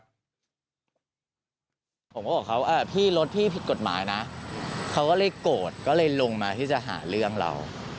ผมก็บอกเขาว่าพี่รถพี่ผิดกฎหมายนะเขาก็เลยโกรธก็เลยลงมาที่จะหาเรื่องเรา